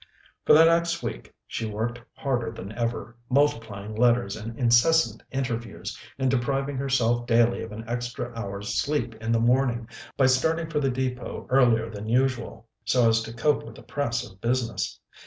For the next week she worked harder than ever, multiplying letters and incessant interviews, and depriving herself daily of an extra hour's sleep in the morning by starting for the Depôt earlier than usual, so as to cope with the press of business.